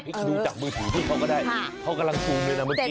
ดูจากมือถือพี่เขาก็ได้เขากำลังซูมด้วยนะเมื่อกี้